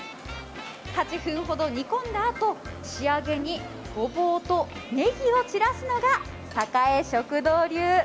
８分ほど煮込んだあと、仕上げにごぼうとねぎを散らすのが栄食堂流。